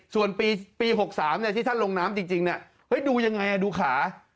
ส่วนปี๖๓ที่ท่านลงน้ำจริงดูยังไงดูขา